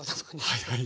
はいはい。